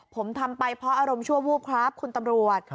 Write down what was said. ผมทำไปเพราะอารมณ์ชั่ววูบครับคุณตำรวจ